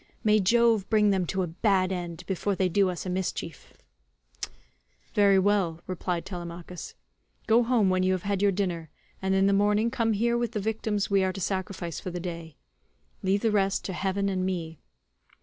May Jove bring them to a bad end before they do us a mischief." "Very well," replied Telemachus, "go home when you have had your dinner, and in the morning come here with the victims we are to sacrifice for the day. Leave the rest to heaven and me."